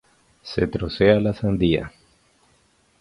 Se trocea la sandía.